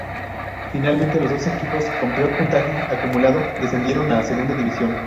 Finalmente, los dos equipos con peor puntaje acumulado descendieron a Segunda División.